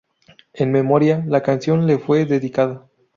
En memoria, la canción le fue dedicada.